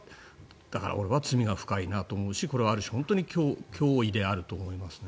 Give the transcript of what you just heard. だから、これは罪が深いなと思うしこれはある種、脅威であると思います。